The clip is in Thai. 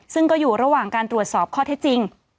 ซึ่งก็อยู่ระหว่างการตรวจสอบข้อเท็จจริง